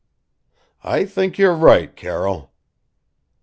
"I think you're right, Carroll."